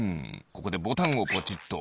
ここでボタンをぽちっと。